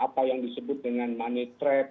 apa yang disebut dengan money track